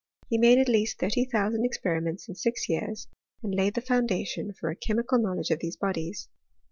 He made at least thirty thousand experiments in six years, and laid the foundation for a chemical knowledge of these bodies.